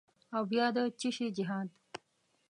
او بیا د چیشي جهاد؟